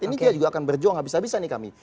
ini dia juga akan berjuang habis habisan nih kami